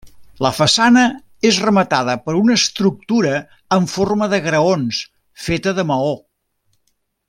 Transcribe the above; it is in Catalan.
La façana és rematada per una estructura en forma de graons feta de maó.